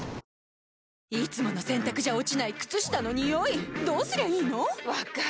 いつもの洗たくじゃ落ちない靴下のニオイどうすりゃいいの⁉分かる。